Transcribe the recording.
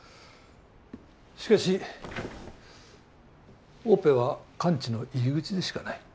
しかしオペは完治の入り口でしかない